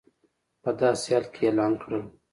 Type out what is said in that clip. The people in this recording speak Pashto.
په داسې حال کې اعلان کړل